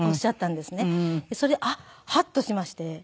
それでハッとしまして。